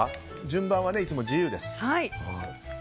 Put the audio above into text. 順番はいつも自由です。